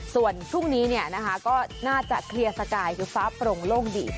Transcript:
ส่วนพรุ่งนี้ก็น่าจะเคลียร์สกายคือฟ้าโปร่งโล่งดี